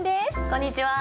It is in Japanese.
こんにちは。